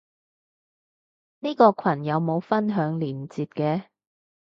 呢個羣有冇分享連接嘅？